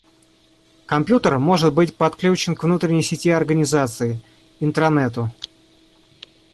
Компьютер может быть подключен к внутренней сети организации – интранету